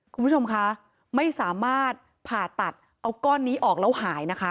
คุณผู้ชมคะไม่สามารถผ่าตัดเอาก้อนนี้ออกแล้วหายนะคะ